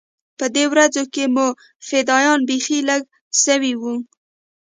په دې ورځو کښې مو فدايان بيخي لږ سوي وو.